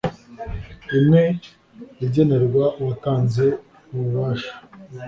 imwe igenerwa uwatanze ububasha,